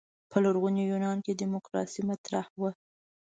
په لرغوني یونان کې دیموکراسي مطرح وه.